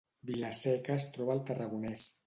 Vila-seca es troba al Tarragonès